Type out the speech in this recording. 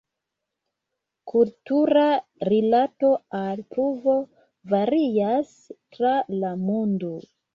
Kultura rilato al pluvo varias tra la mondo.